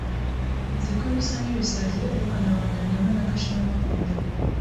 Nzi ko bisa nkibisazi, ariko nabonye Rwema na Gashema bakundana.